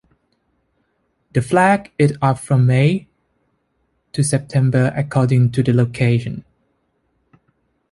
The flag is up from May to September according to the location.